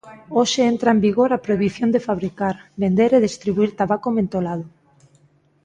Hoxe entra en vigor a prohibición de fabricar, vender e distribuír tabaco mentolado.